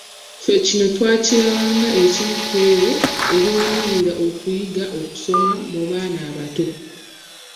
Ffe kino twakiraba nga ekimu ku ebyo ebiwanirira okuyiga okusoma mu baana abato.